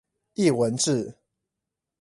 藝文志